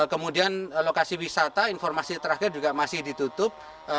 kemudian lokasi wisata informasi terakhir juga masih ditutup